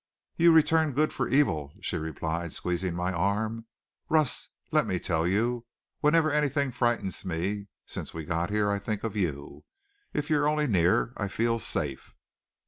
"You return good for evil," she replied, squeezing my arm. "Russ, let me tell you whenever anything frightens me since we got here I think of you. If you're only near I feel safe."